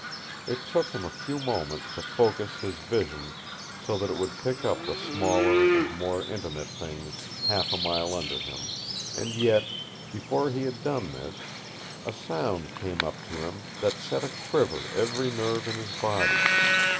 It took him a few moments to focus his vision so that it would pick up the smaller and more intimate things half a mile under him, and yet, before he had done this, a sound came up to him that set aquiver every nerve in his body.